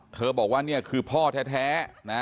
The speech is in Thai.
เธอบอกว่านี่คือพ่อแท้